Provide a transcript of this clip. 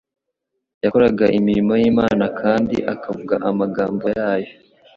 Yakoraga imirimo y'Imana kandi akavuga amagambo yayo.